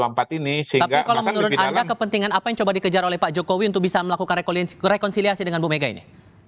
tapi kalau menurut anda kepentingan apa yang coba dikejar oleh pak jokowi untuk bisa melakukan rekonsiliasi dengan bu mega ini